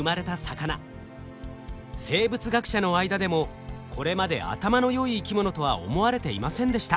生物学者の間でもこれまで頭の良い生き物とは思われていませんでした。